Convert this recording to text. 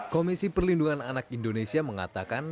komisi perlindungan anak indonesia mengatakan